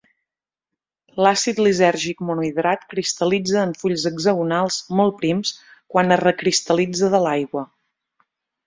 L'acid lisèrgic monohidrat cristal·litza en fulls hexagonals molt prims quan es recristal·litza de l'aigua.